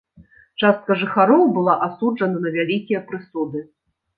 Частка жыхароў была асуджана на вялікія прысуды.